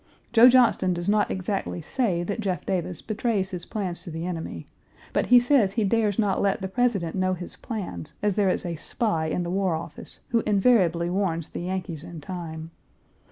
Joe Johnston does not exactly say that Jeff Davis betrays his plans to the enemy, but he says he dares not let the President know his plans, as there is a spy in the War Office who invariably warns the Yankees in time.